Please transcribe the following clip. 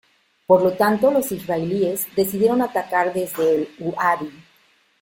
Por lo tanto, los israelíes decidieron atacar desde el uadi.